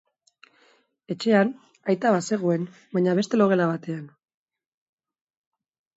Etxean aita bazegoen, baina beste logela batean.